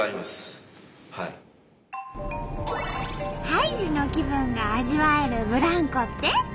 ハイジの気分が味わえるブランコって？